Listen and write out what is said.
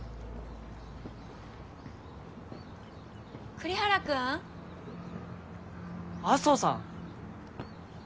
栗原くん！？麻生さん！